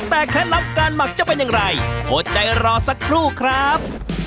แต่เคล็ดลับการหมักจะเป็นอย่างไรอดใจรอสักครู่ครับ